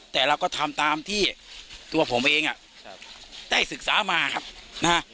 แต่เราก็ทำตามที่ตัวผมเองอ่ะครับได้ศึกษามาครับนะฮะ